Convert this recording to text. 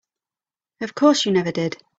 Of course you never did.